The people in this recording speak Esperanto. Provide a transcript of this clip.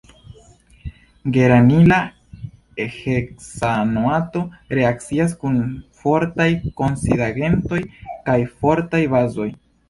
Geranila heksanoato reakcias kun fortaj oksidigagentoj kaj fortaj bazoj.